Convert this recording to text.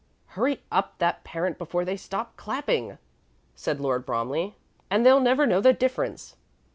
"Hurry up that Parent before they stop clapping," said Lord Bromley, "and they'll never know the difference."